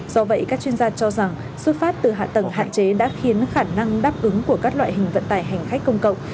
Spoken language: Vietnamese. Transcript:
do vậy các chuyên gia cho rằng xuất phát từ hạ tầng hạn chế đã khiến khả năng đáp ứng của các loại hình vận tải hành khách công cộng